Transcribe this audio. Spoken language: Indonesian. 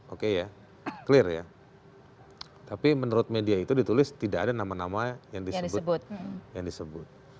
oke ya clear ya tapi menurut media itu ditulis tidak ada nama nama yang disebut